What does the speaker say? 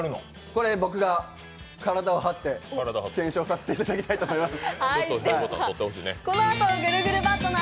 これ、僕が体を張って検証させていただきたいと思います。